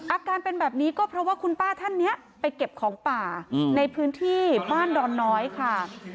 อาการเป็นแบบนี้ก็เพราะว่าคุณป้าท่านนี้ไปเก็บของป่าในพื้นที่บ้านดอนน้อยค่ะ